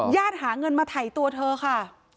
หาเงินมาถ่ายตัวเธอค่ะ